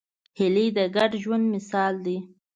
هیلۍ د ګډ ژوند مثال ده